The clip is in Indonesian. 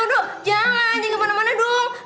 tuh aduh jangan jangan kemana mana dong